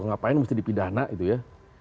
ngapain mesti dipidana itu ya